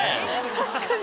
確かに。